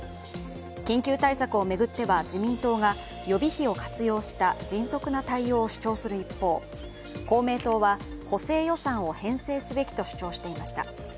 緊急対策を巡っては自民党が予備費を活用した迅速な対応を主張する一方、公明党は、補正予算を編成すべきと主張していました。